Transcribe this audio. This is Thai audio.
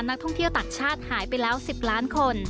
นักท่องเที่ยวต่างชาติหายไปแล้ว๑๐ล้านคน